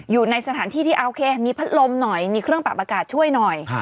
อยู่ในสถานที่ที่โอเคมีพัดลมหน่อยมีเครื่องปรับอากาศช่วยหน่อย